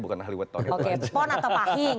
bukan ahli wetong itu oke pon atau pahing